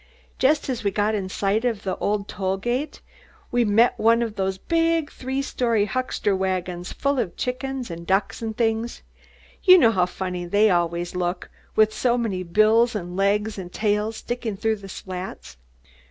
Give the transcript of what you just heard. Just as we got in sight of the toll gate, we met one of those big three story huckster wagons, full of chickens and ducks and things. You know how funny they always look, with so many bills and legs and tails sticking through the slats.